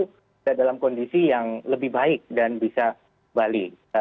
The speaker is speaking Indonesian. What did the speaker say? kita dalam kondisi yang lebih baik dan bisa balik